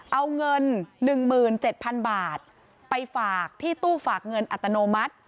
เอาเงิน๑๗๐๐๐บาทไปฝากที่ตู้ฝากเงินอัตโนมัติ